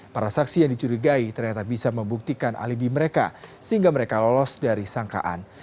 para saksi yang dicurigai ternyata bisa membuktikan alibi mereka sehingga mereka lolos dari sangkaan